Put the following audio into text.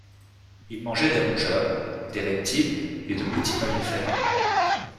Il mangeait des rongeurs, des reptiles et de petits mammifères.